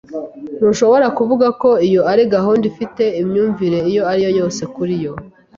Ntushobora kuvuga ko iyo ari gahunda ifite imyumvire iyo ari yo yose kuri yo.